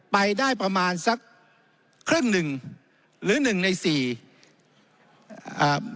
ไปได้ประมาณสักครึ่งหนึ่งหรือหนึ่งในสี่เอ่อ